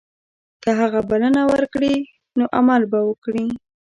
که هغه بلنه ورکړي نو عمل به وکړي.